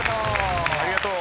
ありがとう。